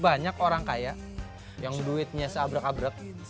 banyak orang kaya yang duitnya seabrak abrek